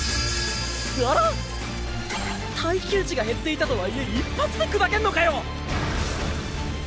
あら⁉耐久値が減っていたとはいえ一発で砕けんのかよ！